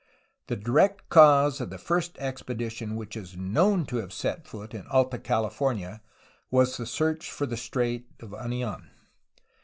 The direct cause of the first expedition which is known to have sst foot in Alta Cahfornia was the search for the strait of Anidn.